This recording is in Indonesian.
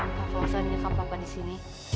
entah kok saya dinyakam papa disini